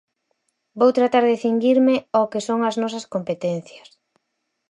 Vou tratar de cinguirme ao que son as nosas competencias.